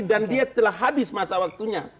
dan dia telah habis masa waktunya